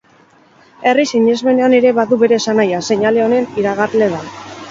Herri sinesmenean ere badu bere esanahia, seinale onen iragarle da.